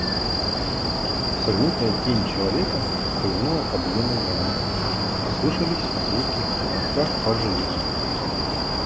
Согнутая тень человека проскользнула под ее ногами, и послышались звуки молотка по железу.